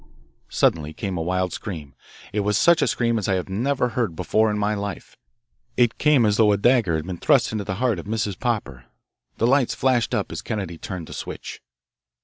Rap! Suddenly came a wild scream. It was such a scream as I had never heard before in my life. It came as though a dagger had been thrust into the heart of Mrs. Popper. The lights flashed up as Kennedy turned the switch.